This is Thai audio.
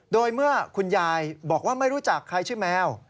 โดยเมื่อคุณยายบอกว่าไม่รู้จักใครชื่อแมว